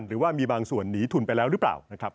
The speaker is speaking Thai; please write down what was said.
หรือว่ามีบางส่วนหนีทุนไปแล้วหรือเปล่านะครับ